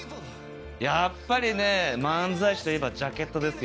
やっぱりね漫才師といえばジャケットですよ。